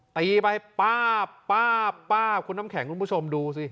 ตีไปป้าคุณน้ำแข็งคุณผู้ชมดูสิ